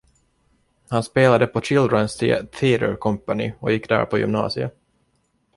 Han spelade på Children's Theatre Company och gick där på gymnasiet.